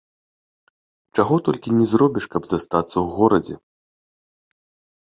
Чаго толькі ні зробіш, каб застацца ў горадзе!